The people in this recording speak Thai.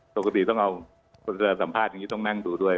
ปกติต้องเอาคนเวลาสัมภาษณ์อย่างนี้ต้องนั่งดูด้วย